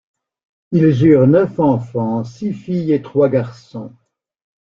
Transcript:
Ils eurent neuf enfants, six filles et trois garçons.